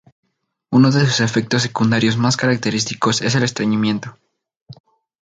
Uno de sus efectos secundarios más característicos es el estreñimiento.